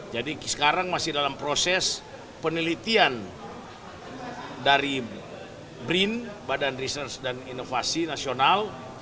jadi sekarang masih dalam proses penelitian dari brin badan research dan inovasi nasional